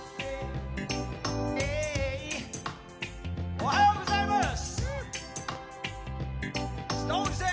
おはようございます。